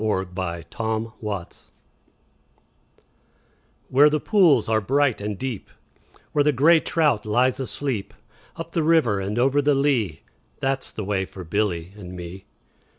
A Boy's Song WHERE the pools are bright and deep, Where the grey trout lies asleep, Up the river and over the lea, That 's the way for Billy and me.